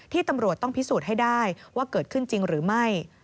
ตำรวจต้องพิสูจน์ให้ได้ว่าเกิดขึ้นจริงหรือไม่